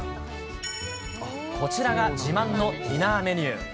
こちらが自慢のディナーメニュー。